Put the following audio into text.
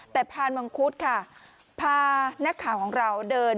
แต่พานมังคุดค่ะพานักข่าวของเราเดิน